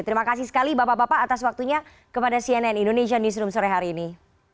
terima kasih sekali bapak bapak atas waktunya kepada cnn indonesia newsroom sore hari ini